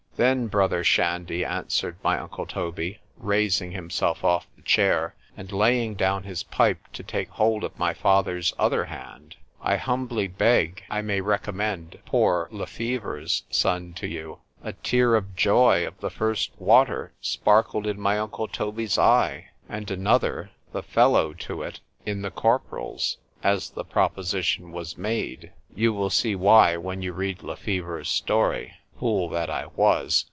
—Then, brother Shandy, answered my uncle Toby, raising himself off the chair, and laying down his pipe to take hold of my father's other hand,—I humbly beg I may recommend poor Le Fever's son to you;——a tear of joy of the first water sparkled in my uncle Toby's eye, and another, the fellow to it, in the corporal's, as the proposition was made;——you will see why when you read Le Fever's story:——fool that I was!